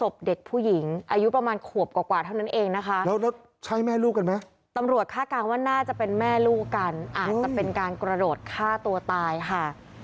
ผู้กันอาจจะเป็นการกระโดดฆ่าตัวตายค่ะ